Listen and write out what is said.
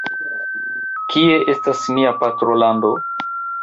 Kie estas nia patrolando?